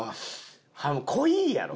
濃いやろ？